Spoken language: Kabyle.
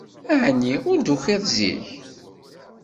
Ɛni ur d-tukiḍ zik?